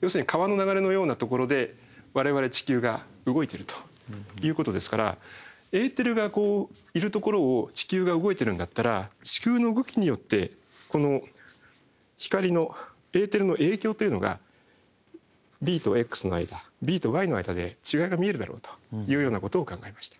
要するに川の流れのようなところで我々地球が動いてるということですからエーテルがこういるところを地球が動いてるんだったら地球の動きによってこの光のエーテルの影響というのがＢとｘの間Ｂとｙの間で違いが見えるだろうというようなことを考えました。